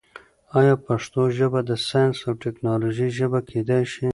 آیا پښتو ژبه د ساینس او ټیکنالوژۍ ژبه کېدای شي؟